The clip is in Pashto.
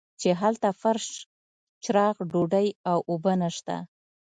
چې هلته فرش چراغ ډوډۍ او اوبه نشته.